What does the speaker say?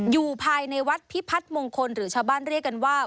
อยู่ภายในวัดพิพัฒน์มงคลหรือชาวบ้านเรียกกันว่า